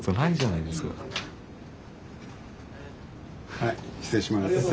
はい失礼します。